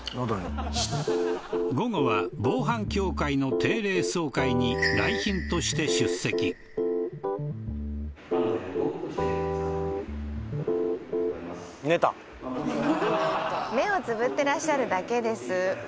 喉に午後は防犯協会の定例総会に来賓として出席寝た目をつぶってらっしゃるだけです